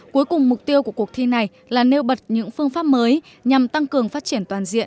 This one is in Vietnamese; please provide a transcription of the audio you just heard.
cuối cùng mục tiêu của cuộc thi này là nêu bật những phương pháp mới nhằm tăng cường phát triển toàn diện